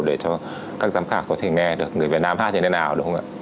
để cho các giám khảo có thể nghe được người việt nam hát hay thế nào đúng không ạ